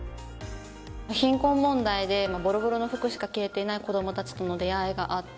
貧困問題でボロボロの服しか着られていない子どもたちとの出会いがあって。